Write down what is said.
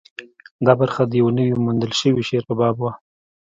دا برخه د یوه نوي موندل شوي شعر په باب وه.